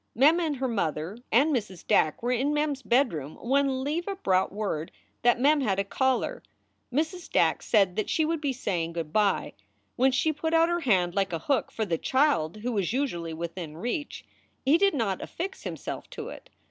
Mem and her mother and Mrs. Dack were in Mem s bedroom when Leva brought word that Mem had a caller. Mrs. Dack said that she would be saying good by. When she put out her hand, like a hook, for the child, who was usually within reach, he did not affix himself to it.